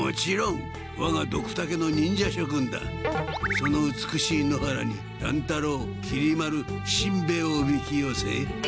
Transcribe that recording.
その美しい野原に乱太郎きり丸しんべヱをおびきよせ。